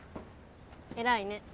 偉いね。